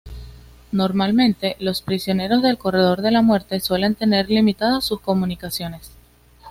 Normalmente, los prisioneros del corredor de la muerte suelen tener limitadas sus comunicaciones.